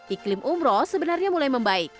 iklim umroh sebenarnya mulai membaik